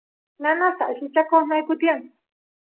nanas allichakoq nayku tiyan